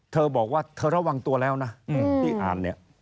เธอบอกว่าเธอระวังตัวแล้วนะ